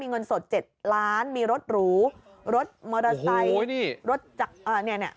เงินสด๗ล้านมีรถหรูรถมอเตอร์ไซค์รถจากเนี่ย